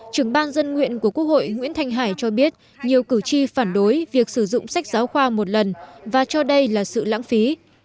trưởng ban dân nguyện của quốc hội nguyễn thanh hải cho biết nhiều cử tri phản đối việc sử dụng sách giáo khoa một lần và cho đây là sự lãng phí